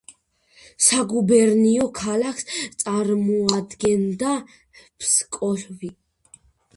საგუბერნიო ქალაქს წარმოადგენდა ფსკოვი.